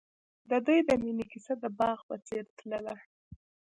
د دوی د مینې کیسه د باغ په څېر تلله.